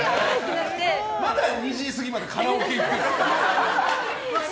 まだ２時過ぎまでカラオケ行っているの。